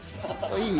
いい？